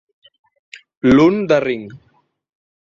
L'un de ring.